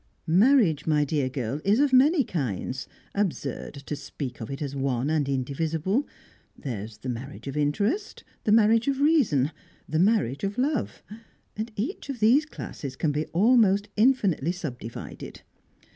"Marriage, my dear girl, is of many kinds; absurd to speak of it as one and indivisible. There's the marriage of interest, the marriage of reason, the marriage of love; and each of these classes can be almost infinitely subdivided.